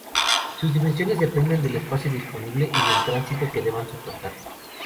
Sus dimensiones dependen del espacio disponible y del tránsito que deban soportar.